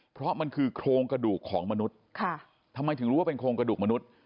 เพราะมันคือโครงกระดูกของมนุษย์ทำไมถึงรู้ว่าเป็นโครงกระดูกมนุษย์